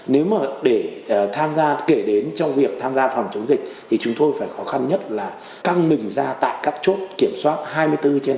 nếu mà để tham gia kể đến trong việc tham gia phòng chống dịch thì chúng tôi phải khó khăn nhất là căng mình ra tại các chốt kiểm soát hai mươi bốn trên hai mươi